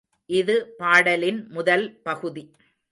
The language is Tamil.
இது பாடலின் முதல் பகுதி.